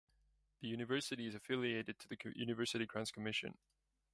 The university is affiliated to the University Grants Commission.